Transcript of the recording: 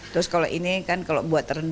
terus kalau ini kan kalau masaknya kurang